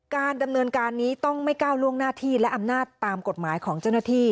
การดำเนินการนี้ต้องไม่ก้าวล่วงหน้าที่และอำนาจตามกฎหมายของเจ้าหน้าที่